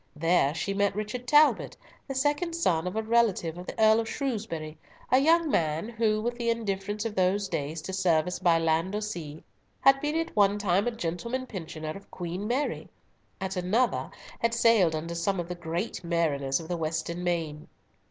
There she met Richard Talbot, the second son of a relative of the Earl of Shrewsbury, a young man who, with the indifference of those days to service by land or sea, had been at one time a gentleman pensioner of Queen Mary; at another had sailed under some of the great mariners of the western main.